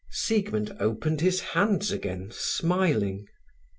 Siegmund opened his hands again, smiling.